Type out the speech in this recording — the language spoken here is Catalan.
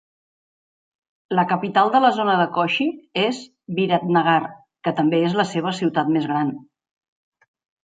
La capital de la zona de Koshi és Biratnagar, que també és la seva ciutat més gran.